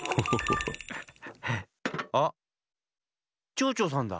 ちょうちょうさんだ。